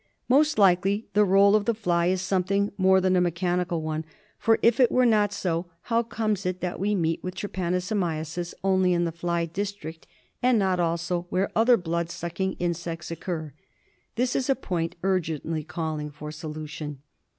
Most likely the role of the fly is something more than a mechanical one; for if it were not so, how comes it that we meet with trypanosomiasis only in the fly district, and not also where other blood sucking insects occur ? This is a point urgently calling for solution.